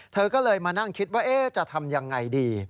เธอก็เลยมานั่งคิดว่าจะทำยังไงดี